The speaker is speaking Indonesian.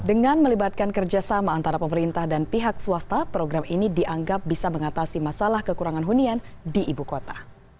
dengan melibatkan kerjasama antara pemerintah dan pihak swasta program ini dianggap bisa mengatasi masalah kekurangan hunian di ibu kota